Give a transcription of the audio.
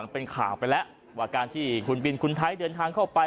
เป็นข่าวไปแล้วว่าการที่คุณบินคุณไทยเดินทางเข้าไป